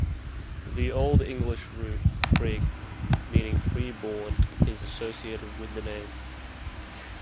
The Old English root "frig", meaning "free born", is associated with the name.